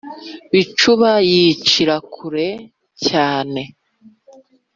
bicuba yicira kure, cyane